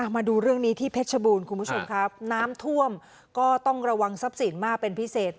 มาดูเรื่องนี้ที่เพชรบูรณ์คุณผู้ชมครับน้ำท่วมก็ต้องระวังทรัพย์สินมากเป็นพิเศษ